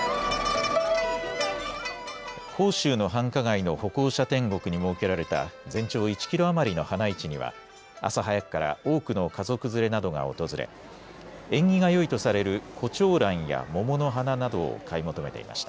広州の繁華街の歩行者天国に設けられた全長１キロ余りの花市には、朝早くから多くの家族連れなどが訪れ、縁起がよいとされるこちょうらんや桃の花などを買い求めていました。